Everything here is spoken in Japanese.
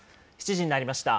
７時になりました。